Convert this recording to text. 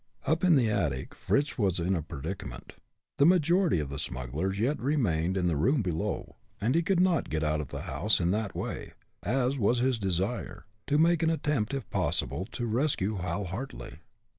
Up in the attic. Fritz was in a predicament. The majority of the smugglers yet remained in the room below, and he could not get out of the house in that way, as was his desire, to make an attempt if possible to rescue Hal Hartly.